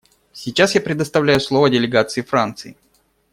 Сейчас я предоставляю слово делегации Франции.